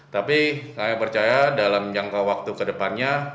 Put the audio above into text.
tapi kami percaya dalam jangka waktu ke depannya